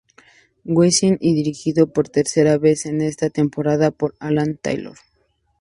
Weiss; y dirigido, por tercera vez en esta temporada, por Alan Taylor.